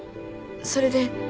それで。